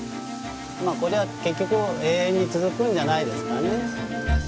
まあこれは結局永遠に続くんじゃないですかね。